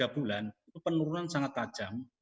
tiga bulan itu penurunan sangat tajam